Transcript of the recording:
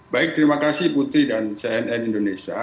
baik terima kasih putri dan cnn indonesia